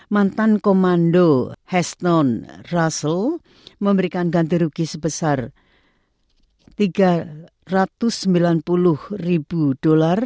mantan komando heston russel memberikan ganti rugi sebesar tiga ratus sembilan puluh ribu dolar